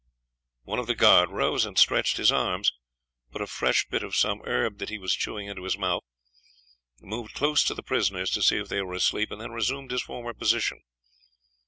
One of the guard rose and stretched his arms; put a fresh bit of some herb that he was chewing into his mouth; moved close to the prisoners to see if they were asleep; and then resumed his former position.